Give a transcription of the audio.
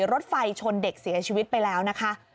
รถไฟชนเด็กเสียชีวิตไปแล้วนะคะ